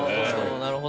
なるほど。